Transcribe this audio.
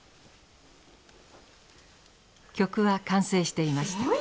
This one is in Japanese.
曲は完成していました。